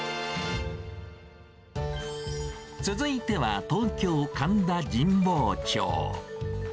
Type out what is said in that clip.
続いては、東京・神田神保町。